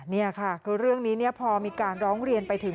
นี่ค่ะคือเรื่องนี้พอมีการร้องเรียนไปถึง